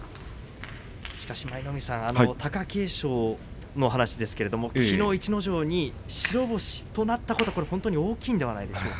しかし舞の海さん、貴景勝の話ですけれどもきのう逸ノ城に白星となったこと本当に大きいのではないでしょうか。